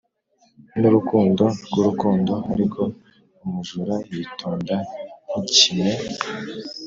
n'urukundo rw'urukundo, ariko umujura yitonda nk'ikime.